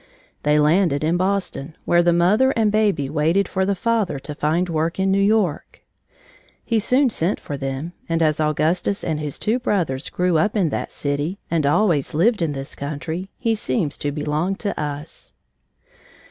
They landed in Boston, where the mother and baby waited for the father to find work in New York. He soon sent for them, and as Augustus and his two brothers grew up in that city and always lived in this country, he seems to belong to us.